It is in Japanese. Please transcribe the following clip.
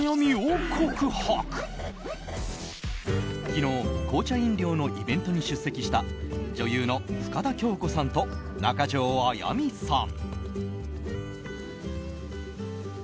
昨日紅茶飲料のイベントに出席した女優の深田恭子さんと中条あやみさん。